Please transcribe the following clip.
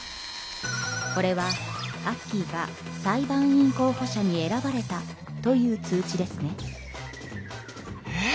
これはアッキーが裁判員候補者に選ばれたという通知ですね。え！？